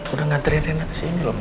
udah ngantriin rena kesini loh ma